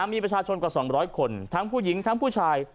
มีประชาชนกว่า๒๐๐คนทั้งผู้หญิงทั้งผู้ชาย